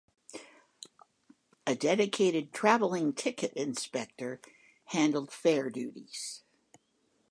A dedicated 'travelling ticket inspector' handled fare duties.